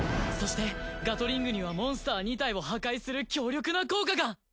そしてガトリングにはモンスター２体を破壊する強力な効果が！